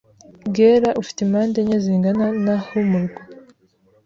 bwera ufite impande enye zingana n ah umurwa